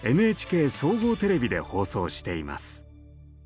ＮＨＫ総合テレビで放送しています。